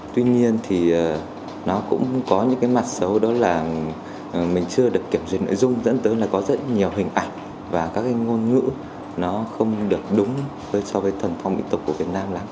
tuy nhiên thì nó cũng có những cái mặt xấu đó là mình chưa được kiểm dịch nội dung dẫn tới là có rất nhiều hình ảnh và các cái ngôn ngữ nó không được đúng so với thần phong tục tộc của việt nam lắm